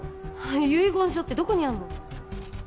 遺言書ってどこにあんの？